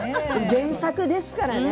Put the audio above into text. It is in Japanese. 原作ですからね。